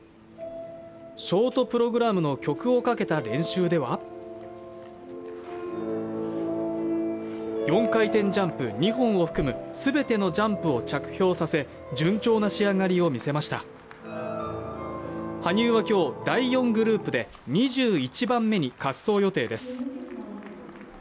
ショートプログラムの曲をかけた練習では４回転ジャンプ２本を含むすべてのジャンプを着氷させ順調な仕上がりを見せました羽生は今日第４グループで２１番目に滑走予定です